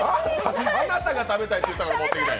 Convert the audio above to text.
あなたが食べたいって言ったから持ってきた。